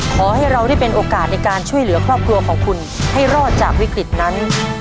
ขอให้เราได้เป็นโอกาสในการช่วยเหลือครอบครัวของคุณให้รอดจากวิกฤตนั้น